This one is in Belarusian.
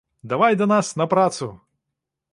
Давай да нас на працу!